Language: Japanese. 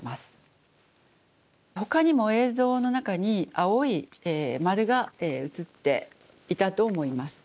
ほかにも映像の中に青い丸が映っていたと思います。